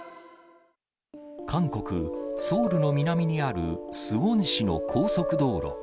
韓国・ソウルの南にあるスウォン市の高速道路。